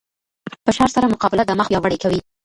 فشار سره مقابله دماغ پیاوړی کوي.